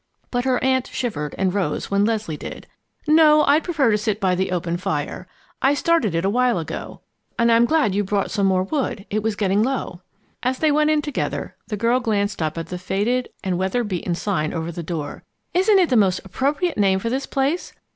But her aunt shivered and rose when Leslie did. "No, I prefer to sit by the open fire. I started it a while ago. And I'm glad you brought some more wood. It was getting low." As they went in together, the girl glanced up at the faded and weather beaten sign over the door. "Isn't it the most appropriate name for this place!